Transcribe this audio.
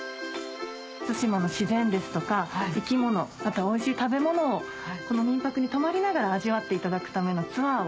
対馬の自然ですとか生き物またおいしい食べ物をこの民家に泊まりながら味わっていただくためのツアーを。